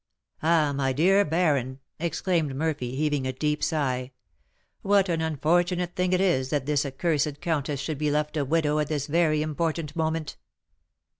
"Ah! my dear baron," exclaimed Murphy, heaving a deep sigh, "what an unfortunate thing it is that this accursed countess should be left a widow at this very important moment!"